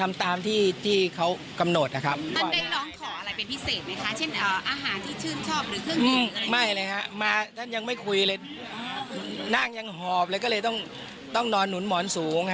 ไม่เลยฮะมาท่านยังไม่คุยเลยนั่งยังหอบเลยก็เลยต้องนอนหนุนหมอนสูงฮะ